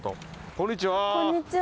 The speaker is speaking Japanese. こんにちは。